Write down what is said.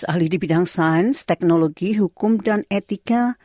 ahli di bidang sains teknologi hukum dan etika